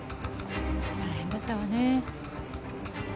大変だったわね。